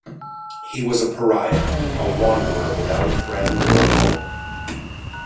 He was a pariah; a wanderer without a friend or a home.